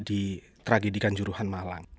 di tragedikan juruhan malang